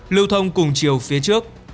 lưu thông cùng chiều phía trước